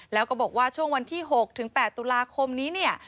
แล้วก็บอกว่าช่วงวันที่๖ถึง๘ตุลาคมนี้